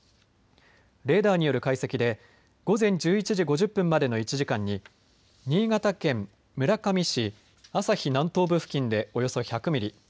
レーダーによる解析で午前１１時５０分までの１時間に新潟県村上市朝日南東部付近でおよそ１００ミリ。